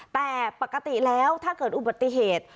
แต่ปกติแล้วถ้าเกิดอุบัติเหตุ